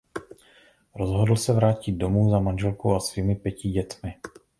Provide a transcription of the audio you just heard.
Rozhodl se vrátit domů za manželkou a svými pěti dětmi.